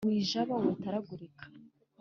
Wijajaba, witaragurika :